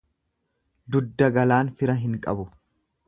Dudda galaan fira hin qabu.